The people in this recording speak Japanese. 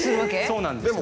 そうなんです。